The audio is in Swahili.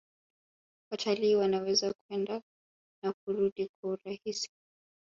Watalii wanaweza kwenda na kurudi kwa urahisi